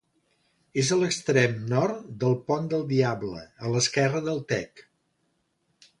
És a l'extrem nord del Pont del Diable, a l'esquerra del Tec.